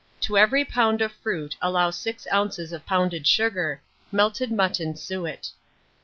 To every lb. of fruit allow 6 oz. of pounded sugar; melted mutton suet.